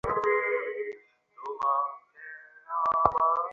কারণ তার প্রিয় লন্ডন ভয়াবহ সন্ত্রাসী হামলার হুমকির মুখে দাঁড়িয়ে আছে।